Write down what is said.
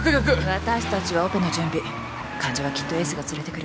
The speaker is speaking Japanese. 私達はオペの準備患者はきっとエースが連れてくる